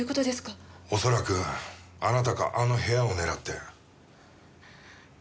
恐らくあなたかあの部屋を狙って。